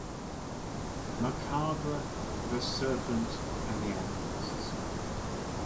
Macabre, the Serpent and the Alchemists.